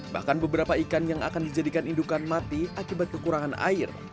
bahkan beberapa ikan yang akan dijadikan indukan mati akibat kekurangan air